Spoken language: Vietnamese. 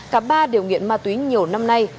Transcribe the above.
cả ba điều nghiện ma túy nhiều năm nay